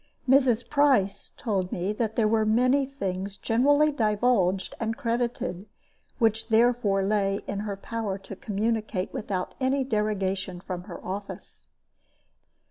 Mrs. Price told me that there were many things generally divulged and credited, which therefore lay in her power to communicate without any derogation from her office.